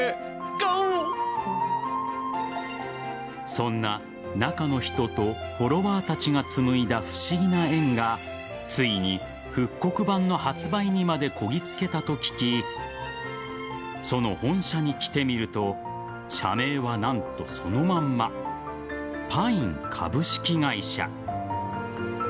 そんな、中の人とフォロワーたちが紡いだ不思議な縁がついに、復刻版の発売にまでこぎつけたと聞きその本社に来てみると社名は、何とそのまんまパイン株式会社。